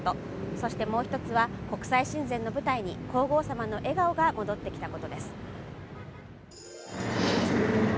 そしてもう一つは国際親善にの舞台に皇后さまの笑顔が戻ってきたことです。